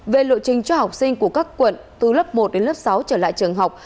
về lộ trình cho học sinh của các quận từ lớp một đến lớp sáu trở lại trường học